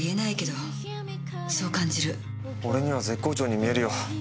俺には絶好調に見えるよ